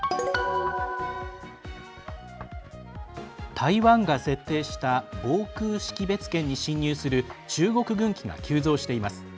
台湾が設定した防空識別圏に進入する中国軍機が急増しています。